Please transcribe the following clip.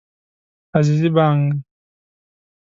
عزیزي بانګ